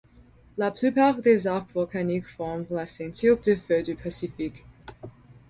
La plupart des arcs volcaniques forment la ceinture de feu du Pacifique.